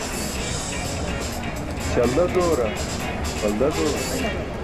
Śalda zoora, balda zoor?